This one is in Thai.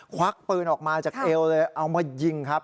ควักปืนออกมาจากเอวเลยเอามายิงครับ